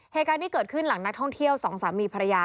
เหตุการณ์ที่เกิดขึ้นหลังนักท่องเที่ยวสองสามีภรรยา